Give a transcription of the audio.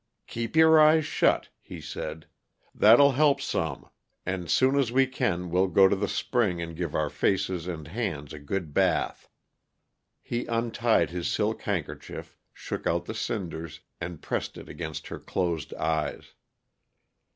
"Keep your eyes shut," he said. "That'll help some, and soon as we can we'll go to the spring and give our faces and hands a good bath." He untied his silk neckerchief, shook out the cinders, and pressed it against her closed eyes.